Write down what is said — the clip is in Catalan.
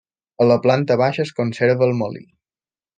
A la planta baixa es conserva el molí.